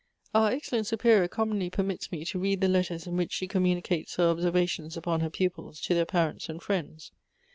" Our excellent superior commonly permits me to read the letters in which she communicates her observations upon her pupils to their parents and friends.